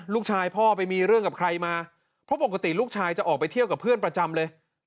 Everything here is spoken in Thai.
พ่อไปมีเรื่องกับใครมาเพราะปกติลูกชายจะออกไปเที่ยวกับเพื่อนประจำเลย